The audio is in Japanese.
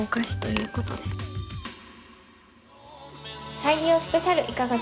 再利用スペシャルいかがでしたか？